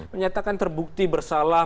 menyatakan terbukti bersalah